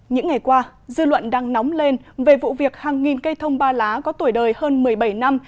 những ngày qua dư luận đang nóng lên về vụ việc hàng nghìn cây thông ba lá có tuổi đời hơn một mươi bảy năm